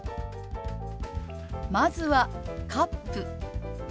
まずは「カップ」。